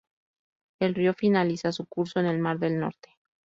El río finaliza su curso en el mar del Norte.